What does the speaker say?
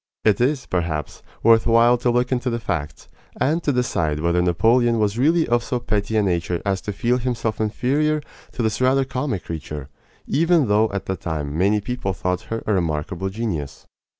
It is, perhaps, worth while to look into the facts, and to decide whether Napoleon was really of so petty a nature as to feel himself inferior to this rather comic creature, even though at the time many people thought her a remarkable genius.